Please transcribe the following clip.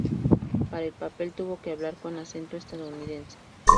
Para el papel tuvo que hablar con acento estadounidense.